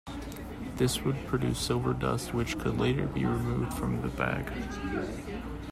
This would produce silver dust, which could later be removed from the bag.